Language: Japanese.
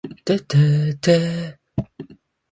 北海道西興部村